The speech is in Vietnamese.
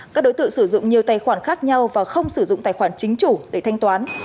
các đối tượng sử dụng nhiều tài khoản khác nhau và không sử dụng tài khoản chính chủ để thanh toán